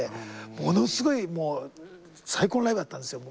ものすごい最高のライブだったんですよ。